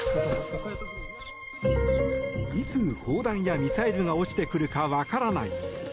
いつ砲弾やミサイルが落ちてくるか分からない。